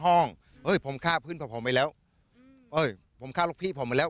ห้องเอ้ยผมฆ่าพื้นพวกผมไปแล้วเอ้ยผมฆ่าลูกพี่ผมไปแล้ว